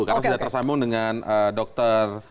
karena sudah tersambung dengan dokter